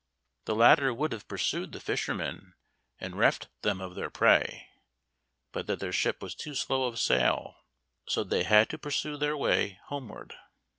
The latter would have pursued the fishermen and reft them of their prey, but that their ship was too slow of sail, so that they had to pursue their way homeward.